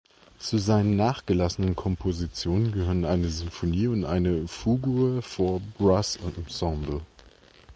Zu seinen nachgelassenen Kompositionen gehören eine Sinfonie und eine "Fugue for Brass Ensemble".